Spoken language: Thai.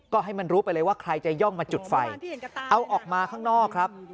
ก็ให้มันรู้ไปเลยว่าใครจะย่องมาจุดไฟเอาออกมาข้างนอกครับ